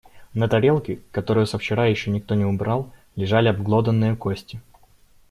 На тарелке, которую со вчера ещё никто не убрал, лежали обглоданные кости.